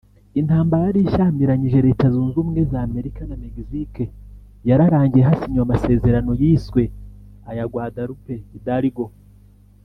Intambara yari ishyamiranyije Leta Zunze Ubumwe za Amerika na Mexique yararangiye hasinywe amasezerano yiswe aya Guadalupe Hidalgo